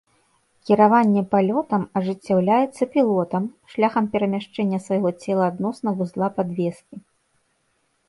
Кіраванне палётам ажыццяўляецца пілотам шляхам перамяшчэння свайго цела адносна вузла падвескі.